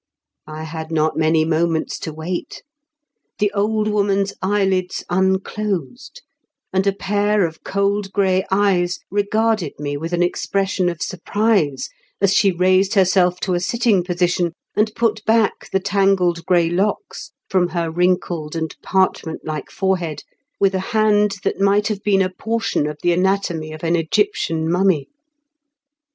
I had not many moments to wait. The old woman's eyelids unclosed, and a pair of cold gray eyes regarded me with an expres sion of surprise as she raised herself to a sitting position, and put back the tangled gray locks from her wrinkled and parchment like forehead with a hand that might have been a portion of the anatomy of an Egyptian mummy.